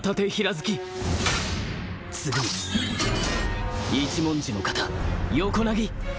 次に一文字の型横薙ぎ